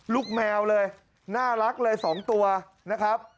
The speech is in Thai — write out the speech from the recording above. แมวเลยน่ารักเลย๒ตัวนะครับ